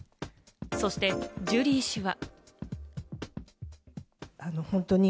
そしてジュリー氏は。